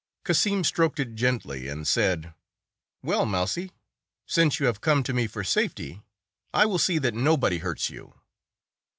Cassim stroked it gently, and said, "Well, Mousie, since you have come to me for safety, I will see that nobody hurts you."